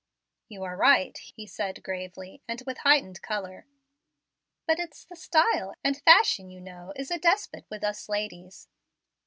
"You are right," he said gravely, and with heightened color. "But it's the style; and fashion, you know, is a despot with us ladies."